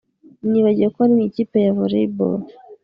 Nibagiwe ko wari mu ikipe ya volley ball